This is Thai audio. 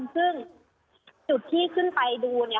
ซึ่งจุดที่ขึ้นไปดู